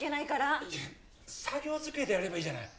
作業机でやればいいじゃない。